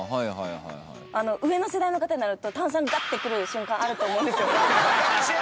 上の世代の方になると炭酸ガッてくる瞬間あると思うんですよ。